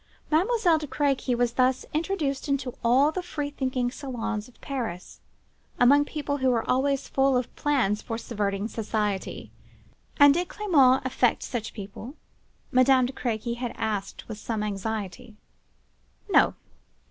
Mademoiselle de Crequy was thus introduced into all the free thinking salons of Paris; among people who were always full of plans for subverting society. 'And did Clement affect such people?' Madame de Crequy had asked with some anxiety. No!